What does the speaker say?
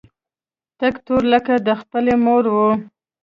تک تور لکه د خپلې مور و.